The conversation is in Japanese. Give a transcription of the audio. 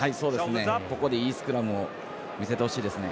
ここでいいスクラムを見せてほしいですね。